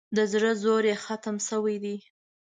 د زړه زور یې ختم شوی دی.